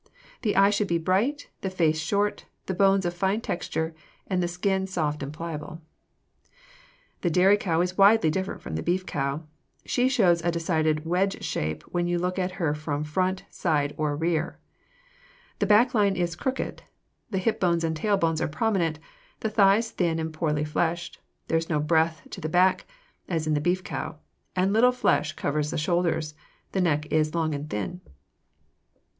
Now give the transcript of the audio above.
The eye should be bright, the face short, the bones of fine texture, and the skin soft and pliable. [Illustration: FIG. 248. ABERDEEN ANGUS COW (A BEEF TYPE)] The dairy cow is widely different from the beef cow. She shows a decided wedge shape when you look at her from front, side, or rear. The back line is crooked, the hip bones and tail bone are prominent, the thighs thin and poorly fleshed; there is no breadth to the back, as in the beef cow, and little flesh covers the shoulders; the neck is long and thin.